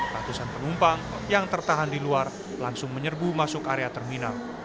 ratusan penumpang yang tertahan di luar langsung menyerbu masuk area terminal